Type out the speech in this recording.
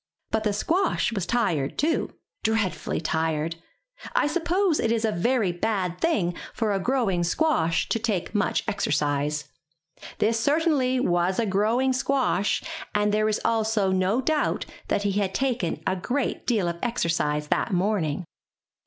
But the squash was tired, too, dread fully tired. I suppose it is a very bad thing for a growing squash to take much exercise. This cer tainly was a growing squash, and there is also no doubt that he had taken a great deal of exercise that morning.